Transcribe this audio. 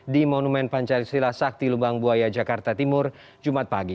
di monumen pancasila sakti lubang buaya jakarta timur jumat pagi